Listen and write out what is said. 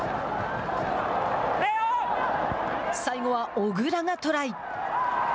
最後は小倉がトライ。